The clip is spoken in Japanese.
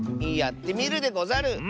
やってみるでござる！